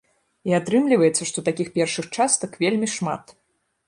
І атрымліваецца, што такіх першых частак вельмі шмат.